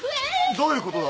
どういうことだ？